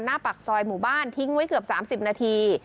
หน้าปากซอยหมู่บ้านทิ้งไว้เกือบ๓๐นาที